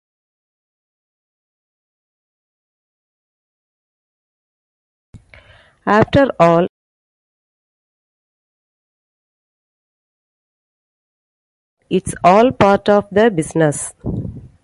After all, it's all part of the business.